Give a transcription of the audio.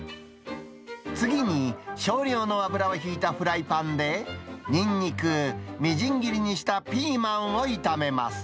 次に、少量の油を引いたフライパンで、ニンニク、みじん切りにしたピーマンを炒めます。